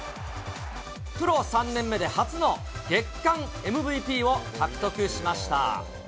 プロ３年目で初の月間ＭＶＰを獲得しました。